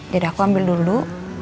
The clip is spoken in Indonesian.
jadi aku ambil dulu